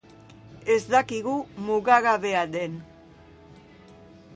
Ez dakigu mugagabea den.